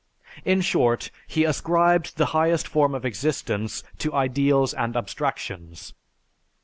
In short, he ascribed the highest form of existence to ideals and abstractions.